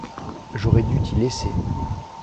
J’aurais dû t’y laisser.